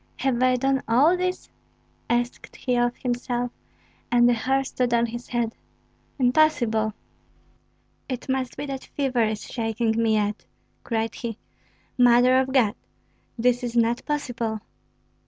"Have I done all this?" asked he of himself; and the hair stood on his head. "Impossible! It must be that fever is shaking me yet," cried he. "Mother of God, this is not possible!"